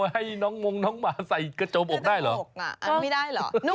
ให้น้องหมาใส่กจมอกได้เหรอ